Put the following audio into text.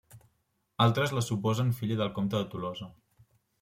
Altres la suposen filla del comte de Tolosa.